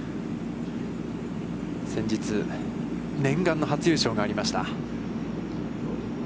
先日、念願の初優勝がありました。